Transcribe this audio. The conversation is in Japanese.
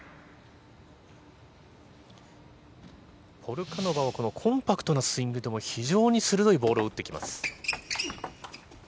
ポルカノバはコンパクトなスイングでも非常に鋭いボールを打ってきます。